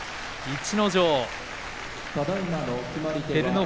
逸ノ城